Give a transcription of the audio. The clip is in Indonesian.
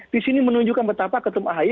di sini menunjukkan betapa ketum ahy